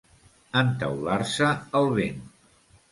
Entaular-se el vent.